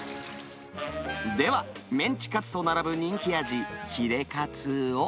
ではメンチカツと並ぶ人気味、ヒレカツを。